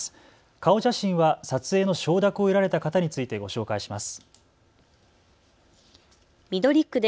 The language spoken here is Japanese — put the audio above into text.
顔写真は撮影の承諾を得られた方についてご紹介します。